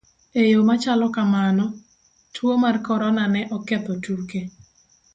E yo ma chalo kamano, tuo mar corona ne oketho tuke.